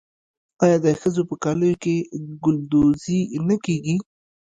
آیا د ښځو په کالیو کې ګلدوزي نه کیږي؟